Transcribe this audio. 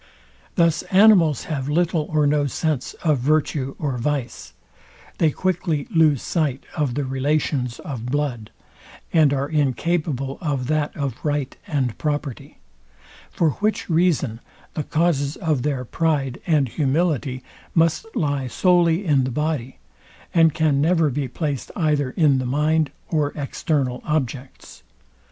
Thus animals have little or no sense of virtue or vice; they quickly lose sight of the relations of blood; and are incapable of that of right and property: For which reason the causes of their pride and humility must lie solely in the body, and can never be placed either in the mind or external objects.